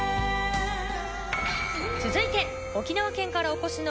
続いて。